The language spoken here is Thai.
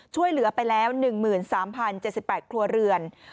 ช่วยเหลือไปแล้ว๑๓๐๗๘ครัวเรือน